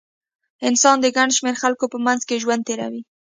انسان د ګڼ شمېر خلکو په منځ کې ژوند تېروي.